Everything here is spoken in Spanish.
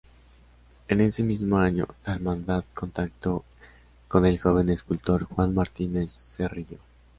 En ese mismo año, la Hermandad contactó con el joven escultor Juan Martínez Cerrillo.